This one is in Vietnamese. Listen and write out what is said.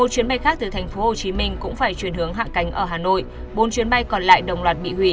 một chuyến bay khác từ tp hcm cũng phải chuyển hướng hạ cánh ở hà nội bốn chuyến bay còn lại đồng loạt bị hủy